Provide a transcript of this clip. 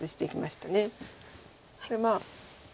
でまあ。